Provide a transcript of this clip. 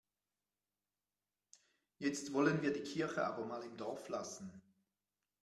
Jetzt wollen wir die Kirche aber mal im Dorf lassen.